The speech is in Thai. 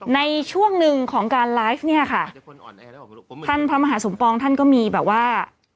ในช่วงหนึ่งของการไลฟ์เนี่ยค่ะท่านพระมหาสมปองท่านก็มีแบบว่า